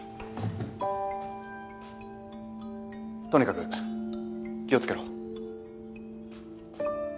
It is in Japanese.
とにかく気をつけろ。